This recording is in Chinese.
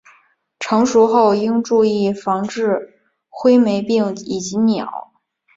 成熟后应注意防治灰霉病以及鸟。